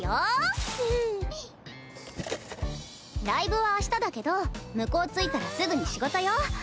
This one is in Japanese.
ライブは明日だけど向こう着いたらすぐに仕事よ。